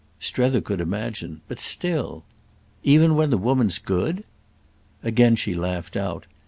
Strether could imagine; but still—! "Even when the woman's good?" Again she laughed out.